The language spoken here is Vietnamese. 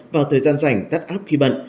vào thời gian rảnh tắt app khi bận